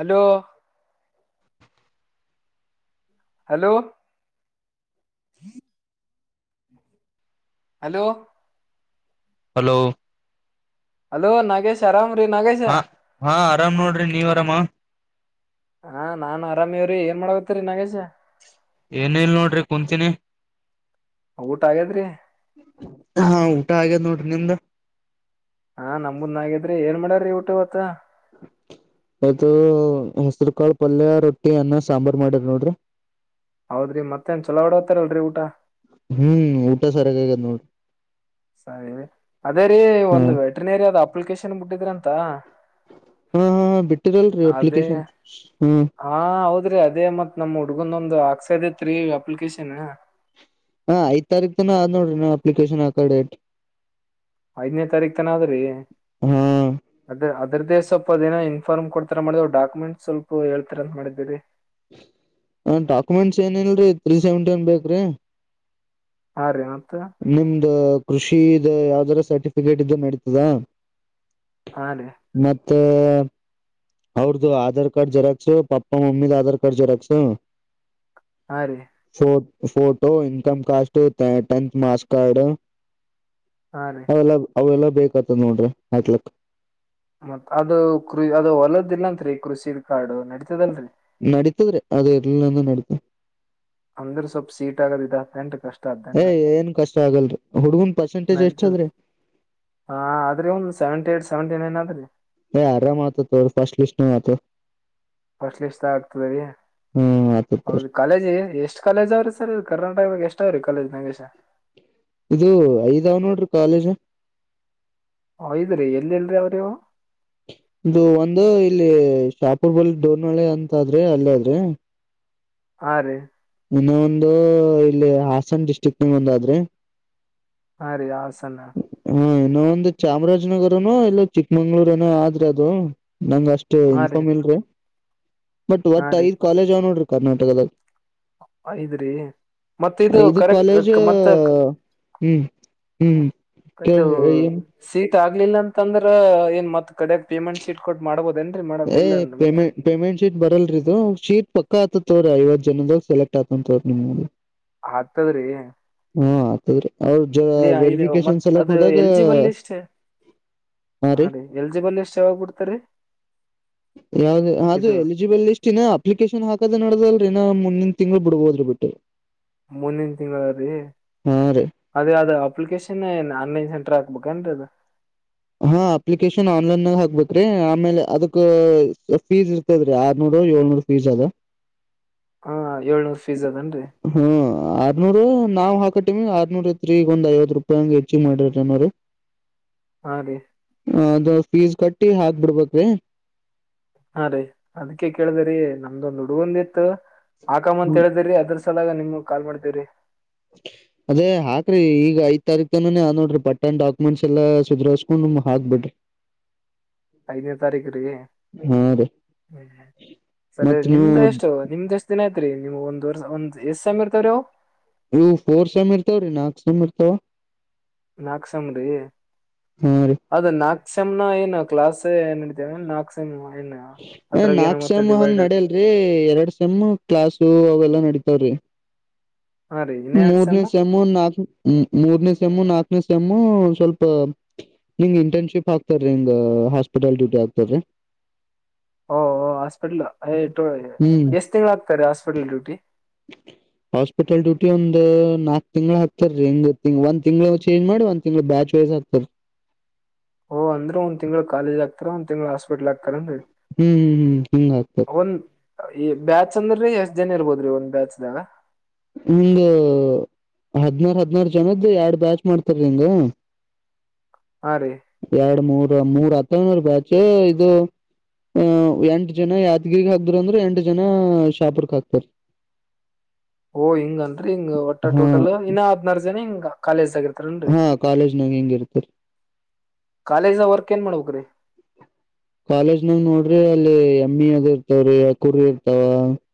Hello hello hello hello hello Nagesh ಆರಾಮ್ ಹಾ ಹಾ ಆರಾಮ್ ನೋಡ್ರಿ ನೀವ್ ಆರಾಮ. ಹಾ ನಾನ್ ಆರಾಮ ಇವ್ರಿ ಏನ್ ಮಾಡಗತ್ತಿರಿ ನಾಗೇಶ. ಏನೆ ಇಲ್ ನೋಡ್ರಿ ಕುಂತೀನಿ. ಊಟ ಆಗ್ಯದ್ರಿ ಹಾ ಊಟ ಆಗ್ಯದ್ ನೋಡ್ರಿ ನಿಮ್ದು. ಹಾ ನಮ್ದಂದಾಗಿದ್ರಿ ಏನ್ ಮಾಡ್ಯಾರ್ರೀ ಊಟ ಇವತ್ತು. ಹ [unintelligible] ಇವತ್ತು ಹೆಸ್ರುಕಾಳ್ ಪಲ್ಯ ರೊಟ್ಟಿ ಅನ್ನ ಸಾಂಬಾರ್ ಮಾಡಿದ್ರ ನೋಡ್ರಿ. ಹೌದ್ರಿ ಮತ್ತೇನ್ ಚಲ ಹೊಡೋತಾರಲ್ರಿ ಊಟ. ಹ್ಮ್ ಊಟ ಸರಿಯಾಗ್ ಆಗೈತನೋಡ್ರಿ. ಸರಿ ರೀ ಅದೇ ರೀ ಹ ಒಂದು ವೆಟ್ರನೇರಿ ದ ಅಪ್ಲಿಕೇಶನ್ ಬಿಟ್ಟಿದ್ರಂತ. ಹಾ ಹಾ ಬಿಟ್ಟಿರಲ್ರಿ ಅದೇ ಅಪ್ಲಿಕೇಶನ್ ಹ್ಮ್ ಹಾ ಹೌದ್ರಿ ಅದೇ ಮತ್ ನಮ್ ಹುಡ್ಗಂದ ಒಂದು ಹಾಕ್ಸದಿತ್ರಿ ಅಪ್ಲಿಕೇಶನ್. ಹಾ ಐದ್ ತಾರೀಕ್ ತನ ಆದ್ ನೋಡ್ರಿ ನಾವು ಅಪ್ಲಿಕೇಶನ್ ಆಕ ಡೇಟ್. ಐದನೇ ತಾರೀಖತನ ಅದ್ರೀ ಅದ ಹಾ ಅದ್ ಅದರ್ದೆ ಸ್ವಲ್ಪ ಅದೇನ ಇಂಫಾರ್ಮ್ ಕೊಡ್ತೀರಾ ಮಾಡಿದ್ ರೀ ಡಕುಮೆಂಟ್ ಸ್ವಲ್ಪೇಳ್ತಾರ ಅಂತ ಮಾಡಿದೀರಿ. ಹ ಡಾಕ್ಯುಮೆಂಟ್ಸ್ ಏನ ಇಲ್ರರಿ ತ್ರೀ ಸೆವೆಂಟಿನ್ ಬೇಕ್ರಿ. ಹಾರೀ ಹ. ನಿಮ್ದ ಕೃಷಿದು ಯಾವ್ದಾರ ಸರ್ಟಿಫಿಕೇಟ್ ಇದ್ರು ನಡಿತದಾ. ಹಾರಿ ಮತ್ತೇ ಅವ್ರ್ರದು ಆಧಾರ್ ಕಾರ್ಡ್ ಜರಾಕ್ಸ ಪಾಪ್ಪ ಮಮ್ಮಿದ್ ಆಧಾರ್ ಕಾರ್ಡ್ ಜಿರಾಕ್ಸು. ಹಾರೀ photo income caste tenth marks card ಹಾ ರೀ ಅವೆಲ್ಲ. ಅವೆಲ್ಲ ಬೇಕತ್ತ ನೋಡ್ರಿ ಆಕ್ಲಕ್ಕ. ಮತ್ ಅದು ಕೃ ಅದು ಹೊಲದಿಲ್ಲಂರಿ ಕೃಷಿ ಕಾರ್ಡು ನಡೀತದಲ್ರರಿ ನಡೀತದ್ರೆ ಅದು ಎರ್ಲಂದ ನಡತ ಅಂದ್ರ ಸ್ವಲ್ಪ್ ಸೀಟ್ ಆಗದ ಇದ ತಂಟ್ ಕಷ್ಟ ಏ ಆದ್ದಂಗ ಏನ್ ಕಷ್ಟ ಆಗಲ್ರಿ ಹುಡ್ಗನ್ ಪರ್ಸೆಂಟೇಜ್ ಎಷ್ಟ ನಡತ ಅದ್ರಿ ಹಾ ಆದದ್ರಿ ಒಂದ ಸೆವೆಂಟಿ ಏಟ್ ಸೆವೆಂಟಿ ನೈನ್ ಆದ್ರಿ. ಹ ಆರಾಮತ ತೋ ಫಸ್ಟ್ ಲಸ್ಟ್ ನತ ಫಸ್ಟ್ ಲಿಸ ಆಗ್ತದೆ ರೀ ಹ್ಮ್ ಆತತವ್ರ ಹೌದು ಕಾಲೇಜಿ ಎಷ್ಟ ಕಾಲೇಜ್ ಅವ್ರಿ ಸರ್ ಕರ್ನಾಟಕದಾಗ ಎಷ್ಟ ಅವ್ರಿ ಕಾಲೇಜ್ ನಗೇಶ ಇದು ಐದಾವ್ ನೋಡ್ರಿ ಕಾಲೇಜ ಹ ಇದದ್ರೀ ಎಲ್ಲಿಲ್ರಿರಿ ಅವ್ರಿವು ಇದು ಒಂದು ಇಲ್ಲಿ ಶಾಪೂರ ಬಳಿ ಡೋರ್ನಳೆ ಅಂತ ಆದ್ರಿ ಅಲ್ಲೇ ಆದ್ರಿ ಹಾ ರೀ ಇನ್ನ ಒಂದು ಇಲ್ಲಿ ಹಾಸನ್ ಡಿಸ್ಟ್ರಿಕ್ ನಿ ಒಂದ ಆದ್ರಿ ಹಾ ರೀ ಹಾಸನ್ ಹಾ ಇನ್ನು ಒಂದು ಚಾಮರಾಜನಗರನೋ ಇಲ್ಲ ಚಿಕ್ಕಮಂಗ್ಳೂರನ ಆದ್ರೆ ಅದು ನಂಗ ಅಷ್ಟೇ ಹಾ ರೀ ಇನ್ಫಾರ್ಮ್ ಇಲ್ರಿ ಬಟ್ ಹಾ ಒಟ್ ಐ ರೀ ಕಾಲೇಜ್ ಅವ ನೋಡ್ರಿ ಕರ್ನಾಟಕದಲ್ಲಿ ಐದ್ರಿ ಮತ್ ಇದು ಐದು ಕರೆಕ್ಟ್ ಕಾಲೇಜ್ ಮತ್ತ ಹ್ಮ್ ಹ್ಮ್ ಇದು ಏನ್ ಸೀಟ್ ಆಗ್ಲಿಲ್ಲ ಅಂತಂದ್ರ ಏನ್ ಮತ್ ಕಡಗ್ ಪೇಮೆಂಟ್ ಸೀಟ್ ಕೊಟ್ಟ ಮಾಡ್ಬೋ ಏ ಪೇಮೆಂಟ್ ಪೇಮೆಂಟ್ ಶೀಟ್ ಬರಲ್ರಿದು ಶೀಟ್ ಪಕ್ಕ ಆತತ್ ಐವತ್ತು ಜನದ ಸೆಲೆಕ್ಟ್ ಆಕೊಂಡಂತೋ ನಿಮ್ ಆತದ್ರಿ. ಹಾ ಆತದ್ರಿ ಅವ್ರ ಜ ಇಯಾ ಇದು ವೆರಿಫಿಕೇಶನ್ ಮತ್ತ್ ಸಲಕ್ ಅದು ಹೋದಾಗ ಎಲ್ಜಿಬಲ್ ಇಷ್ಟೇ. ಹಾ ರೀ ಎಲಿಜಿಬಲ್ ಎಷ್ಟ್ ಯಾವಾಗ್ ಬಿಡ್ತರಿ ಯಾವ್ದ ಅದು ಎಲಿಜಿಬಲ್ ಇಷ್ಟಿನ ಅಪ್ಲಿಕೇಶನ್ ಹಾಕದೆ ನಡ್ದಲ್- ಮುಂದಿನ ತಿಂಗಳುಳ ಬಿಡ್ ಹೋದ್ರಿ ಬಿಟ್ಟು ಮುಂದಿನ ತಿಂಗಳ ರೀ ಹಾ ರೀ ಅದೇ ಅದ ಅಪ್ಲಿಕೇಶನ್ ಹನ್ನೈ ಸೆಂ ಹತ್ರ ಆಗ್ಬೇಕ ಎಂತದು ಹಾ ಅಪ್ಲಿಕೇಶನ್ ಆನ್ಲೈನ್ಗ ಹಾಕ್ಬೇಕೇರೀ ಆಮೇಲೆ ಅದಕ್ ಫೀಸ್ ಇರ್ತದೀ ಯಾರ್ ನೋಡ [unintelligible] [inaudible] ಏಳ್ನೂರ್ ಫೀಸ್ ಅದನ್ರಿ [inaudible] ಹ್ಮ ಆರ್ನೂರು ನಾವ್ ಹಾಕಟಮಿ ಆರ್ನೂರ್ ತ್ಗ್ ಒ ಐವತ್ತು ರೂಪಾಯಿಂಗ್ ಹೆಚ್ಚಿ ಮಾಡ್ರರಿ ಏನೋರು ಹಾ ರೀ ಅದು ಫೀಸ್ ಕಟ್ಟಿ ಹಾಕ್ಬಿಡ್ಬ್ರೀ ಹಾ ರೀ ಅದಕ್ಕೆ ಕೇಳಿದಿರರಿ ನಮ್ದೊಂದು ಹುಡುಗಂದ ಇತ್ತು ಆಕಾಮ ಅಂತ ಹೇಳ್ದಿರರಿ ಅದ್ರೆ ಸಲ ನಿಮ್ಗೆ ಕಾಲ್ ಮಾಡ್ತೇವ್ರರಿ [inaudible] ಅದೇ ಹಾಕ್ರಿ ಈಗ ಐದ್ ತಾರೀಕ್ ತನ ನೋಡ್ರಿ ಪಟ್ಟಣ ಡಾಕ್ಯುಮೆಂಟ್ಸ್ ಎಲ್ಲಾ ಸುರಸ್ಕೊಂಡುಮ ಹಾಕ್ಬ ಬಿಡ್ರಿ ಐದನೇ ತಾರೀಕು ರ ಹಾ ರೀ ಹ್ಮ ಸರಿ ಮತ್ ನೀವು ನಿಮ್ದು ಎಷ್ಟು ನಿಮ್ದ್ ಎಷ್ಟ್ ದಿನ ಐತ್ರಿ ನಿಮ್ ಒಂದ ಒ ಎಷ್ಟು ಮ್ ಇರ್ತಾವವ್ರವು ನೀವು ಫೋರ್ ಸಮ ಇರ್ತಾವ ರೀ ನಾಲ್ಕು ಸಮ ಇರ್ತಾವ ನಾಕ್ಸಾಮ್ರಿ ಹಾ ರೀ ಅದ ನಾಕ್ ಕ್ಷಮನ ಏ ನ ಕ್ಲಾಸ್ ನಡತೇವೆ ನಾಕ್ಕ್ಷಮ ಹ ನಾಕ್ ಸಮ್ ಹಂಗ್ ನಡ್ಯಲ್ರಿ ಎರಡ್ ಸಮ್ ಕ್ಲಾಸು ಅವೆಲ್ಲಾ ನಡತೆ ಹಾ ರೀ ಇನ್ನ [inaudible] ಎರಡ್ ಮೂರನೇ ಸೆಮ್ ಸಮನ್ ನಾಲ್ ಮೂರನೇ ಸಮುನ್ ನಾಕ ಮೂರನೇ ಸಮ್ಮು ಸ್ವಲ್ಪ ನಿಂಗ ಇಂಟರ್ನ್ಶಿಪ್ ಹಾತಾರರಿ ಹಿಂಗ್ ಹಾಸ್ಪಿಟಲ್ ಡ್ಯೂಟಿ ಆತಾರರಿ ಓ ಹಾಸ್ಪಿಟ್ಲ್ ಹ್ಮ್ ಎಷ್ಟ್ ತಿಂಗ್ಳ ಆಗ್ತಾರೆ ಹಸ್ಪ [inaudible] ಹಾಸ್ಪಿಟಲ್ ಡ್ಯೂಟಿ ಒಂದ್ ನಾಕ್ ತಿಂಗ್ಳ ಹಾಕ್ತಾರರಿ ಹೆಂಗ್ ತಿಂಗ್ ಒಂದ್ ತಿಂಗಳು ಚೇಂಜ್ ಮಾಡಿ ಒಂದ್ ತಿಂಗ್ಳ ಬ್ಯಾಚ್ ವೈಸ್ ಹಾತಾರ [inaudible] ಹತ್ರ ಒಂದ್ ತಿಂಗಳ ಹಾಸ್ಪಿಟ್ಲ್ ಹಾಕಂದಿ ಹ್ಮ್ ಹ್ಮ್ ಹ್ಮ್ ಹಿಂಗ್ ಹಾಕ್ತಾರ ಅವನ್ ಈ ಬ್ಯಾಚ್ ಅಂದ್ರೀ ಎಷ್ಟ್ ಜನ ಇರ್ಬೋದ್ರಿ ಒಂದ್ ಬ್ಯಾಚ್್ದಾಗ ಹಂಗ ಹದ್ನಾರ ಹದ್ನಾರ ಜನದ ಎರಡ್ ಬ್ಯಾಚ್ ಮಾಡ್ತಾರ ಹಂಗ ಹಾ ರೀ ಎರಡು ಮೂರ್ ಮೂರ್ ಹತ್ತನೂರು ಬ್ಯಾಚು ಇದು ಅಹ ಎಂಟ ಜನ ಯಾತ್ಗಿಗ್ ಹಾಕ್ದ್ರ ಅಂದ್ರೆ ಎಂಟ ಜನ ಶಾಪರ್ಕ್ ಹಾಕ್ತಾರ ಓ ಹಿಂಗನ್ರಿ ಹಿಂಗ್ ಒಟ್ಟಾ ಹಾ ಟೋಟಲ್ ಇನ್ನ ಹದ್ನಾರ ಜನ ಹಿಂಗ ಕಾಲೇಜ್ ಆಗ ನ್ [inaudible] ಹಾ ಕಾಲೇಜ್ನಾಗ ಹಿಂಗ ಇರ್ತರಿ ಕಾಲೇಜ್ ವರ್ಕ್ ಏನ್ ಮಾಡಬೇಕಕ್್ರೀ ಕಾಲೇಜ್ನಾಗ ನೋಡ್ರಿ ಅಲ್ಲಿ ಎಮ್ ಇ ಅದ ಇರ್ತವ್ರಿ ಅ ಕುರ ಇರ್ತಾವ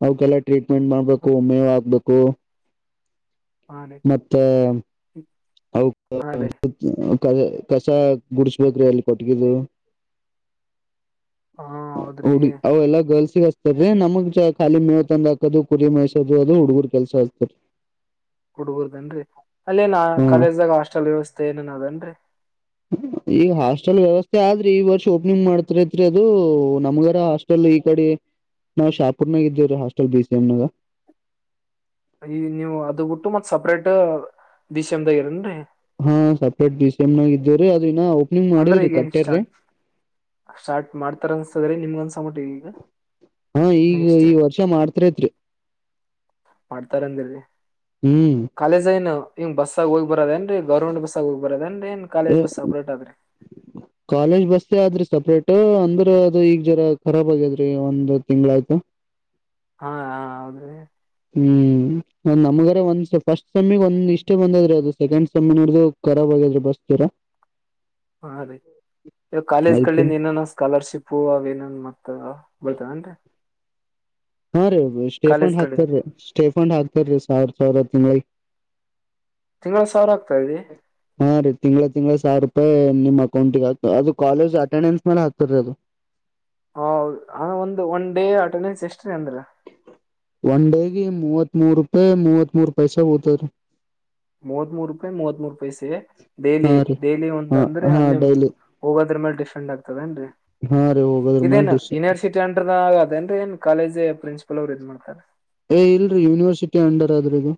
ಅವೆಲ್ಲಾ ಟ್ರೀಟ್ ೆಂಟ್ ಮಾಡ್ಬೇಕು ಒಮ್ಮೆವ್ ಆಗ್ಬೇಕು ಹಾ ರೀ ಮತ್ತೆ ಹಾ ರೀ [unintelligible] ಕ ಕಸ ಗುಡಸ್ಬೇಕ್ರೀ ಅಲ್ಲಿ ಕೊಟ್ಟಗಿದು ಹಾ ಹೌಡಿ ಹೌದ್ರಿ ಅವ ಎಲ್ಲ ಗರ್ಲ್ಸ್ ಸಿಗಸ್ತದೀ ನಮಗ್ ಖಾಲಿ ಮೇವ ತಂದ ಹಾಕದು ಕುರಿ ಮಸೋದು ಅದು ಹುಡ್ಗರ್ ಕೆಲ್ಸ ಅತಾರರಿ ಹುಡುಗರ್ದನ್ರಿ ಅಲ್ಲೇನ್ ಕಾಲೇಜ್ದಾಗ ಹಾಸ್ಟೆಲ್ ವ್ಯವಸ್ಥೆ ಏನೇನ ಅದೇನ್ರರಿ ಈಗ ಹಾಸ್ಟೆಲ್ ವ್ಯವಸ್ಥೆ ಆದ್ರಿ ಈ ವರ್ಷ ಓಪನಿಂಗ್ ಮಾಡ್ತಾರಐತ್ರಿ ಅದು ನಮ್ಗಾರ ಹಾಸ್ಟೆಲ್ ಈ ಕಡೆ ನಾವು ಶಾಪುರ್ನಾಗ ಇದೇವಿ ರೀ ಹಾಸ್ಟೆಲ್ ಬಿ ಸಿ ಎಮನಾಗ ಈ ನೀವು ಅದು ಬಿಟ್ಟು ಮತ್ತ್ ಸಪ್ರೇಟ್ ದಷಮ್ದಾಗರನ್ರಿ ಹಾ ಸಪ್ರೇಟ್ ಡಿಸ ಎಮ್ನಾಗ ಇದವ್ರರಿ ಅದಿನ ಅಂದ್ರೆ ಈಗೇನ್ ಸ್ಟಾರ್ಟ್ ಸ್ಟಾರ್ಟ್ ಮಾಡ್ತಾರ ಅನ್ಸದ್ರಿ ನಿಮಗ ಹಾ ಈಗ ಈ ವರ್ಷ ಮಾಡ್ತರಿತ್ರಿ ಮಾಡ್ತಾರಂದಿರಿ ಹ್ಮ್ ಕಾಲೇಜ ಏನು ಹಂಗ ಬಸ್ಸಗ ಹೋಗಿ ಬರದೇನ್ೀ ಗೌರ್ಮೆಂಟ್ ಬಸ್ ಆಗ ಹೋಗಿರದೇನ್ರಿ ನ್ ಕಾಲೇಜ್ ಬಸ್ ಸಪೇಟ್ ಆದ್ರರಿ ಕಾಲೇಜ್ ಬಸ್ೇ ಆದ್ರಿ ಸಪ್ರೇಟ್ ಅಂದ್ರ ಅದು ಈಗ್ ಜರ ಖರಾಬ್ ಆಗ್ಯಾದ್ರಿ ಒಂದು್ ತಿಂಗಳ ಆಯ್ತು ಹಾ ಹ ಹೌದೀ ಹ್ಮ್್ ನಮ್ಗರ ಒಂದ್ ಫಸ್ಟ್ ಸಮ್ಮಿಗ್ ಒಂದ್ ಇಷ್ಟೇ ಬಂದದ್ರೆ ಅದು ಸೆಕೆಂಡ್ ಸಮ್ಮಿ ನೋಡ್ದುಖರಾ ಬರ್ತೀರಾ ಹಾ ರೀ ಇವ ಕಾಲೇಜ್ ಅದಕ್ಕೆ ಕಿಂದ ಏನ ಸ್ಕಾಲರ್ಶಿಪ್ು ಅವನ ಬತ ಎಂತ ಹಾ ರೀ ಸ್ಟೇಫಂಡ್ ಹಾಕ್ತಾರರಿ ಸ್ಟೇಫಂಡ್ ಹಾತಾರೀ ಸಾವಿರ ಸಾವಿರ ತಿಂಗಳಿಗೆ ತಿಂಗಳ ಸಾವಿರ ಆಗ್ತಾ ಇದೆ ಹಾ ರೀ ತಿಂಗಗಳ ತಿಂಗಳ ಸಾವಿರ ರೂಪಾಯಿ ನಿ ಮಾಡ ಅೌಂಟ ಅದು ಕಾಲೇಜ್ ಅಟೆಂಡೆನ್ಸ್ ಮೇಲೆ ಹಗ್ತಾರೀ ಅದು ಹ ಒಂದು ಒನ್ ಡೇ ಅಟೆಂಡೆನ್ಸ್ ಎಷ್ಟ್ರೀ ಅಂದ್ರ ಒನ್ ಡೇಗೆ ಮೂವತ್ ಮೂರು ರೂಪಾಯಿ ಮೂವತ್ತ್ ಮೂೂರು ಪೈಸ ಹತದ ಮೂವತ್ ಮೂರು ರೂಪಾಯಿ ಮೂವತ್ ಮೂೂರು ರೂಪಾಯಿ ಸ ಡೇಲಿ ಹಾ ರೀ ಡೈಲಿ ಒಂದ್ ಹಾ ಅಂದ್ರೆ ಹಾ ನಿಮ್ ಡೈಲಿ ಹೋಗೋದ್ರ ಮೇಲ್ ದೇಏನ್ೀ ಹಾ ರೀ ಹೋಗೋದ್ರ ಮೇಲೆ ಇದೇನು ಡಿಶ್ ಯನಿವರ್ಸಿಟಿ ಅಂಡ್ರದ ಆಗ ಅದೇನ್್ರ ಏನ್ ಕಾಲೇಜ್ ಪ್ರಿನ್ಸಿಪಲ್ ಅವರು ಇದ್ ಮಾಡ್ತಾರೆ ಏ ಇಲ್ರಿ ಯೂನಿವರ್ಸಿಟಿ ಅಂಡರ್ ಆದ್ರೂ ಇದು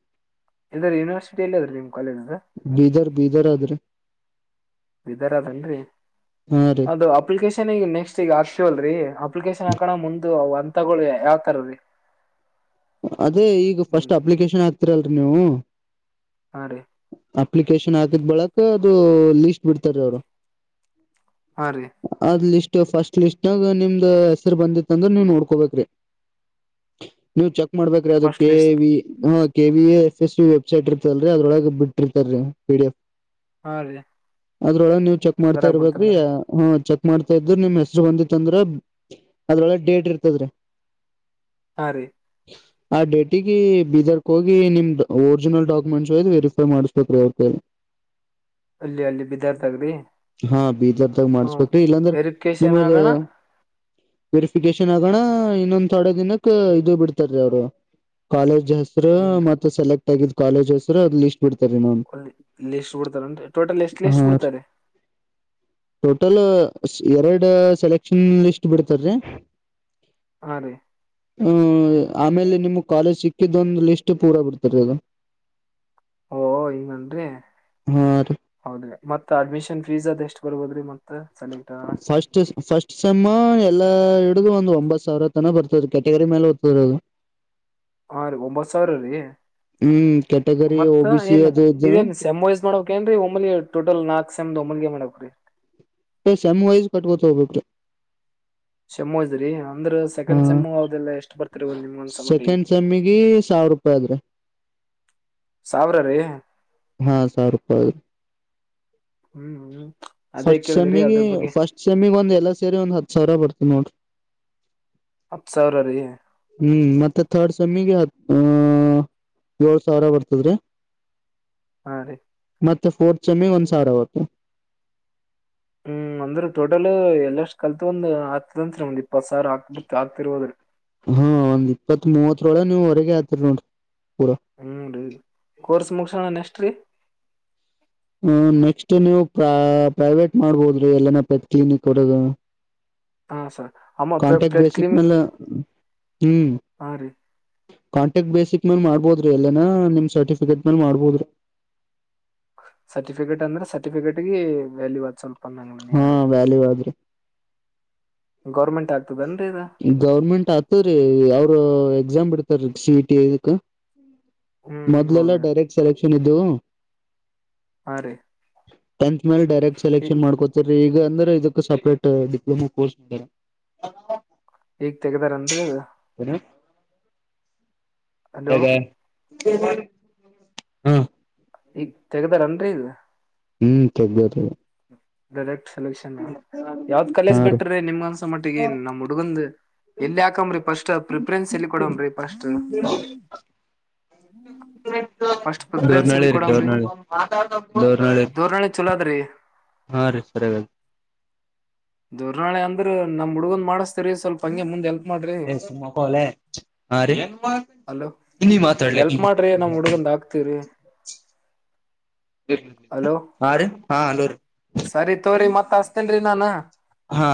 ಎಲ್ಲ್ರ ಯೂನಿವರ್ಸಿಟಿ ಎಲ್ಲಿ ಅದ್ರೀ ನಿಮ್ ಕಾಲೇಜ್ ಅದ ಬೀದರ್ ಬೀದರ್ ಆದ್ರಿ ಇದರ ಅದೇನ್ರಿ ಹಾ ರೀ ಅದು ಅಪ್ಲಿಕೇಶನ್ ಈಗ ನೆಕ್ಸ್ಟ್ ಈಗ ಆರ್ ಲ್ರಿ ಅಪ್ಲಿಕೇಶನ್ ಹಾಕಣ ಮುಂದ ಅಂತಗಳು ಯಾವತಾರರಿ ಅದೇ ಈಗ ಫಸ್ಟ್ ಅಪ್ಲಿಕೇಶನ್ ಹಾಕ್ತಿೀರಲ್ರಿ ನೀವು ಹಾ ರೀ ಅಪ್ಲಿಕೇಶನ್ ಹಾಕಿದ್ ಬಳಕ ಲಿಸ್ಟ್ ಬಿಡ್ತಾರೆ ಅವರು ಹಾ ರೀ ಅ ಲ ಫಸ್ಟ್ ಲಿಸ್ಟ್ ನಾಗ ನಿಮ್ದ್ ಹೆಸರು ಬಂದಿತ್ತ ಅಂದ್ರೆ ನೀವ್ ನೋಡ್ಕೋಬೇಕ್ರಿ ನೀವು್ ಚೆಕ್ ಮಾಡ್ಬೇಕ್ರೀ ಅದು first K list V K V F S C website ಇರ್ತಲ್ರರಿ ಅದ್ರೊಳಗೆ ಬಿಟ್ಟಿರ್ತಾರ ರೀ ಪಿಡಿ ಎಫ್ ಹಾ ರೀ ಅದ್ರೊಳಗ ನೀವು ಚೆಕ್ ಮಾಡ್ತಾ ಅದ್ರಾಗ ಇರ್ಬೇಕ್ರಿ ಹ ಬಿಡ್ತಾರನ್ರಿ ಚೆಕ್ ಮಾಡ್ತಾ ಇದ್ರ ನಿಮ್ ಹೆಸರು ಬಂದಿತ್ಂದ್ರ ಅದ್ರೊಳೆ ಡೇಟ್ ಇರ್ತದ್ರಿ ದಿ ಆ ಡೇಟಿಗೆ ಬೀದರ್ಕ್ ಹೋಗಿ ನಿಮ್ದ ಒರಿಜಿನಲ್ ಡಾಕ್ಯುಮೆಂಟ್ಸ್ ಹ್ದ್ ವೆರಿಫೈ ಮಾಡ್ಸ್ಬೇಕೇ ರೀ ಅವ್ರ ಕ ಅಲ್ಲಿ ಅಲ್ಲಿ ಬಿದ್ದಾರ್ಥಗ್ರಿ ಹಾ ಬೀದರ್ದಾಗ ಮಾಡ್ಸ್ಬೇಕ್ರಿ ಇಲ್ಲಾಂದ್ರೆ ವೆರಿಫಿಕೇಶನ್ ನಿಮ್ಮದ ಆಗೋಣ ವೆರಿಫಿಕೇಶನ್ ಆಗೋಣ ಇನ್ನೊಂದ್ ಥೊಡೆ ದಿನಕ್ ಇದು ಬಿಡ್ತಾರ ಅವರು ಕಾಲೇಜ್ ಹೆಸರು ಏನ್ರಿ ಮತ್ತೆ ಸೆಲೆಕ್ಟ್ ಆಗಿದ್ ಕಾಲೇಜ್ ಹೆಸರು ಅದ್ ಲಿಸ್ಟ್ ಬಿಡ್ತಾರೀ ನಾ ಲಿಸ್ಟ್ ಬಿಡ್ತಾರೆ ಟೋಟಲ್ ಎಸ್ಟ್ ಲಿಸ್ಟ್ ಹಾ ಬಿಡ್ತಾರೆ ಟೋಟಲ್ ಎರಡು ಸೆಲೆಕ್ಷನ್ ಲಿಸ್ಟ್ ಬಿಡ್ತಾರ್ರೀ ಹಾ ರೀ ಹ ಆಮೇಲೆ ನಿಮ್ ಕಾಲೇಜ್ ಸಿಕ್ಕಿದೊಂದು ಲಿಸ್ಟ್ ಪೂರಾ ಬಿಡ್ತಾರ ಅದು ಓ ಇನ್ನನ್ರಿ ಹಾ ಮತ್ತತ್ ಅಡ್ಮಿಷನ್ ಫೀಸ್ ಅದ್ ಎಷ್ಟ್ ಬರ್ಬೋದ್ರಿ ಮತ್ತ ಸೆಲೆಕ್ಟ್ ಆಗೋಣ ಸಮ್ಮ ಎಲ್ಲಾ ಹಿಡಗು ಒಂದ್ ಒಂಬತ್ ಸಾವಿರ ತನ ಬರ್ತದ ಕ್ಯಾಟಗರಿ ಮೇಲೆ ಓದ್ತದ ಅದು ಹಾ ರೀ ಒಂಬತ್ ಸಾವಿರ ರೀ ಹ್ಮ್ ಕೆಟಗರಿ ಒ ಮತ್ತ ಬಿ ಸಿ ಏನ್ ಅದು ಇದು ಇದೇನ್ ಸೋಯಸ್ ಮಾಡ್ಕ್ ಏನ್ ರಿ ಒಮ್ಮಲಿ ಟೋಟಲ್ ನಾಕ ಎಕ್ಷ್ ದೊಮಲ್ಗೆ ಮನಕು ರರಿ ಸಮ್ ವೈಸ್ ಕಟ್ಕೊತ ಹೋಗಬೇಕ್ರೀ ಸೇಮ್ ವೈಸ್ ರಿ ಅ ಅಂದ್ರ ಸೆಕೆಂಡ್ ಸೆಮ್ಮು ಅವ್ದಿಲ್ಲ ಎಷ್ಟು ಬರ್ತರಿ ಒಂದ್ ನಿಮ್ಗ ಒಂದಸಮ್ಮಟಿ ಸೆಕೆಂಡ್ ಸೆಮ್ಮಿಗೆ ಸಾವಿರ ರೂಪಾಯಿ ಆದ್ರಿ ಸಾವಿರ ರೀ ಹಾ ಸಾವರೂಪಾಯಿ ಹ್ಮ್ ಹ್ಮ್ ಅದೇ ಫಸ್ಟ್ ಕೇಳಿದ್ರಿ ಸಮ್ಮಿಗೆ ಅದ್ರ ಬಗ್ಗೆ ಫಸ್ಟ್ ಸಮ್ಮಿಗ್ ಒಂದ್ ಎಲ್ಲ ಸೇರಿ ಒಂದ್ ಹತ್ ಸಾವಿರ ಬರ್ತವಿ ನೋಡ್ರಿ ಹತ್ ಸಾವಿರ ರೀ ಹ್ಮ್ ಮತ್ತೆ ತರ್ಡ್ ಸಮೀಗ ಹ್ಮ ಏಳ್ ಸಾವಿರ ಬರ್ತದ್ರಿ ಹಾ ರೀ ಮತ್ತೆ ಫೋರ್ತ್ ಸಮಮ್ಮಿಗ್ ಒಂದ್ ಸಾವಿರ ಆತ್ತು ಹ್ಮ್ ಅಂದ್ರ ಟೋಟಲ್ ಎಲ್ಲಷ್ಟ್ ಕಲ್ತ್ ಒಂದ್ ಆಗ್ತದಂತ್ರಿ ಒ ಪತ್ತ್ ಸವ್ರ ಆಕ್ ಆಕ್ತಿರುವುದ ಇ್ರೊಳ ನೀವು ಹೊರಗೆ ಆತೀರಿ ನೋಡಿರಿ ಹ್ಮ್ ರೀ ಕೋರ್ಸ್ ಮುಗಸೋಣ ನೆಷ್ಟ್ರೀ ಹ ನೆಕ್ಸ್ಟ್ ನೀವು ಪ್ರ ಪ್ರೈವೇಟ್ ಮಾಡ್ಬೋದ್ರಿ ಎಲ್ಲನ ಪೆತ್ ಕ್ಲಿನಿಕ್ ಒರಗ ಹಾ ಸರ್ ಅಮ್ಮ ಕಾಂಟ್ಯಾಕ್ಟ್ ಪ್ಲೇಟ್ ಬೇಸಿಕ್ ಕ್ಲೀನಿಂಗ್ ಮ್ಯಾಲ ಹ್ಮ್ ಹಾ ರೀ ಕಾಂಟ್ಯಾಕ್ಟ್ ಬೇಸಿಕ್ ಮೇಲ್ ಮಾಡ್ಬೋದ್ರಿ ಎಲ್ಲನ ನಿಮ್ ಸರ್ಟಿಫಿಕೇಟ್ ಮೇಲ್ ಮಾಡ್ಬೋದ್ರಿ ಸರ್ಟಿಫಿಕೇಟ್ ಅಂದ್ರೆ ಸರ್ಟಿಫಿಕೇಟ್ಗೆ ವ್ಯಾಲ್ಯೂ ವಸ ಹಾ ವ್ಯಾಲು ಆದ್ರಿ ಗೌರ್ಮೆಂಟ್ ಆ ಗೌರ್ಮೆಂಟ್ ಆತವರಿ ಅವಾವರು ಎಕ್ಸಾಮ್ ಬಿಡ್ತಾರೀ ಸಿ ಇ ಟಿ ಇದಕ್ ಹ್ಮ್ ಮೊದ್ಲೆಲ್ಲ ಹೌದ್ರಿ ಡೈರೆಕ್ಟ್ ಸೆಲೆಕ್ಷನ್ ಇದು ಹಾ ರೀ ಟೆಂತ್ ಮೇಲೆ ಡೈರೆಕ್ಟ್ ಈ ಸೆಲೆಕ್ಷನ್ ಮಾಡ್ಕೋತಿರಿ ಈ ಈ ಅಂದ್ರೆ ಇದಕ್ಕ ಸಪ್ರೇಟ್ ಡಿಪ್ಲೊಮಾ ಕೋರ್ಸ್ ಇದಾರೆ ಈಗ್ ತೆಗದಾರನ್ ರೀ ಹಲೋ ಹಾ ಈಗ ತೆಗ್ದಾರನ್ರರಿ ಇದ ಹ್ಮ್ ತೆಗ್ದು ರಿ ಡೈರೆಕ್ಟ್ ಸೆಲೆಕ್ಷನ್ ಯಾವ್ದ್ ಹಾ ಕಾಲೇಜ್ ರೀ. ಬಿಟ್ರೆ ನಿಮ್ಗ ಅನ್ಸ ಮಟ್ಟಿಗೆನ್ ನಮ್ ಹುಡುಗಂದ ಎಲ್ಲಿ ಹಾಕಮ್ರರಿ ಫಸ್ಟ್ ಪ್ರಿಫ್ರೆನ್ಸ್ ಎಲ್ಲಿ ಕೊಡನ್ರ ಫಸ್ಟ್ [unintelligible] ಫಸ್ಟ್ ಪ್ರಿಫರೆನ್ಸ್ ದೋರ್ನಳ್ಳಿ ಎಲ್ಲಿ ರೀ ಕೊಡಮರಿ ದೋರ್ನಳ್ಳಿ ದೋರ್ನಳ್ಳಿ ಚಲೋ ಅದ್ರಿ ಹಾ ರೀ ಸರಿ ದುರ್ನಾಳಿ ಅಂದ್ರ ನಮ್ ಹುಡ್ಗಂದ ಮಾಡಸ್ತ ಸರಿ ಸ್ವಲ್ಪ ಹಂಗೆ ಮುಂದೆ ಹೆಲ್ಪ್ ಮಾಡ್ರಿ ಹಾ ರೀ ಹಲೋ ನೀ ಮಾತಾಡ್ಲ ಹೆಲ್ಪ್ ಮಾಡ್ರಿ ನಮ್ ಹುಡುಗಂದ ಹಾಕ್ತಿತಿವರಿ [unintelligible] ಹಲೋ ಹಾ ರೀ ಹಾ ಹಲೋ ರೀ ಸರಿ ತೋರಿ ಮತ್ತ ಹಸ್ತೇನ್ರಿ ನಾನ ಹಾ